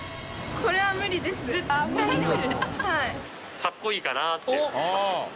かっこいいかなって思います。